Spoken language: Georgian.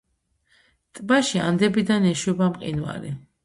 ტბაში ანდებიდან ეშვება მყინვარი.